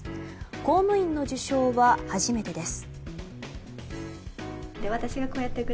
公務員の受賞は初めてです。